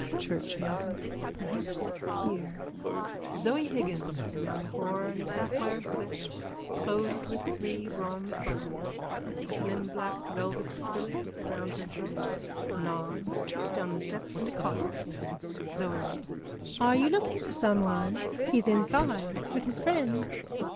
Church music. Perhaps here. _(Zoe Higgins, a young whore in a sapphire slip, closed with three bronze buckles, a slim black velvet fillet round her throat, nods, trips down the steps and accosts him.)_ ZOE: Are you looking for someone? He's inside with his friend.